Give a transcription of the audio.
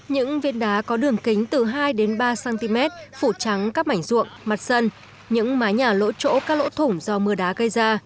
những viên đá có đường kính từ hai đến ba cm phủ trắng các mảnh ruộng mặt sân những mái nhà lỗ trỗ các lỗ thủng do mưa đá gây ra